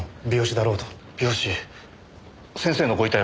病死先生のご遺体は？